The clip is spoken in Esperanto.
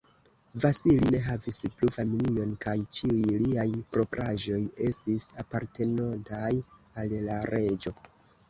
Vasili ne havis plu familion, kaj ĉiuj liaj propraĵoj estis apartenontaj al la Reĝo.